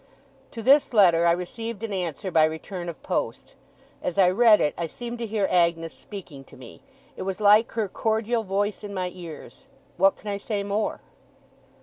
To this letter, I received an answer by return of post. As I read it, I seemed to hear Agnes speaking to me. It was like her cordial voice in my ears. What can I say more!